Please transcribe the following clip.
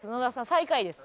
最下位です。